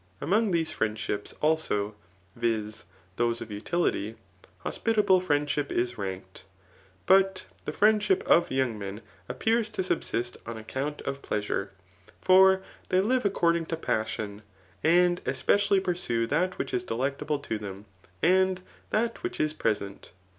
Among these friendships, also, [viz. those of utility, 3 hosjutable friendship is ranked. But the friendship of yo\!ng men appears to subsist on account of pleasure ; for they live according to passion, and especially pursue that which is delectable to them, and that which is pre sent.